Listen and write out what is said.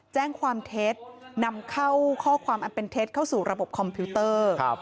แจ้งความเท็จนำเข้าข้อความอันเป็นเท็จเข้าสู่ระบบคอมพิวเตอร์